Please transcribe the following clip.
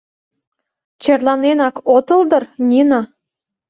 Черланенак отыл дыр, Нина?